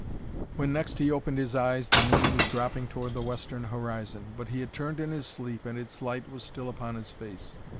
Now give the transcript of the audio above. When next he opened his eyes the moon was dropping toward the western horizon, but he had turned in his sleep and its light was still upon his face.